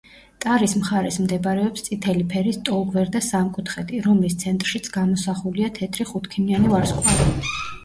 ტარის მხარეს მდებარეობს წითელი ფერის ტოლგვერდა სამკუთხედი, რომლის ცენტრშიც გამოსახულია თეთრი ხუთქიმიანი ვარსკვლავი.